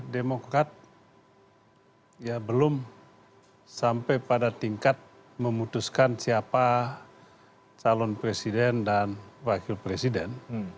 demokrat ya belum sampai pada tingkat memutuskan siapa calon presiden dan wakil presiden